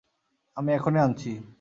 আমি এখনি আনছি।